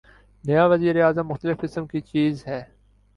نیا وزیر اعظم مختلف قسم کی چیز ہے۔